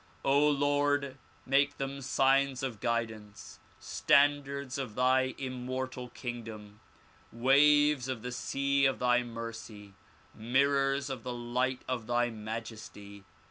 Lord ! make them signs of guidance, standards of thy immortal kingdom, waves of the sea of thy mercy, mirrors of the light of thy majesty.